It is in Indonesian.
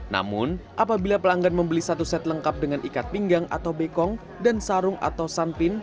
namun apabila pelanggan membeli satu set lengkap dengan ikat pinggang atau bekong dan sarung atau sanpin